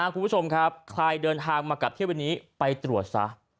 คุณผู้ชมครับใครเดินทางมากลับเที่ยววันนี้ไปตรวจซะ